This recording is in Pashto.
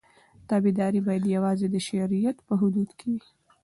تابعداري باید یوازې د شریعت په حدودو کې وي.